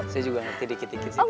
saya juga ngerti dikit dikit sih